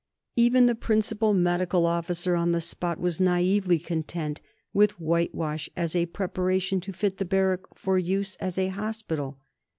Even the Principal Medical Officer on the spot was naïvely content with whitewash as a preparation to fit the Barrack for use as a hospital.